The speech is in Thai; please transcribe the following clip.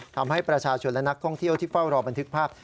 ทำให้ประชาชนและนักท่องเที่ยวที่เฝ้ารอบันทึกภาพ